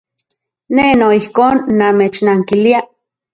Ne noijkon nimechnankilia.